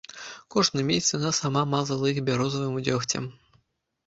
Кожны месяц яна сама мазала іх бярозавым дзёгцем.